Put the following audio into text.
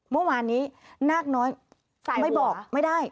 เมื่อวานนี้นาคน้อยไม่บอกไม่ได้